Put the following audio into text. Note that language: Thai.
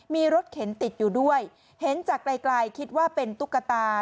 มีรถเข็นติดอยู่ด้วยเห็นจากไกลไกลคิดว่าเป็นตุ๊กตา